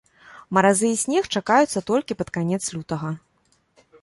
Маразы і снег чакаюцца толькі пад канец лютага.